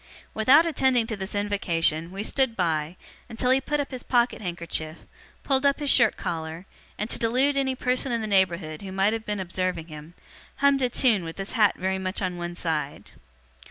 Without attending to this invocation, we stood by, until he put up his pocket handkerchief, pulled up his shirt collar, and, to delude any person in the neighbourhood who might have been observing him, hummed a tune with his hat very much on one side.